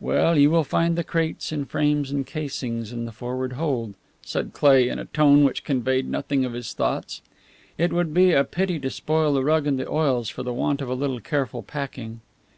Well, you will find the crates and frames and casings in the forward hold," said Cleigh in a tone which conveyed nothing of his thoughts. "It would be a pity to spoil the rug and the oils for the want of a little careful packing."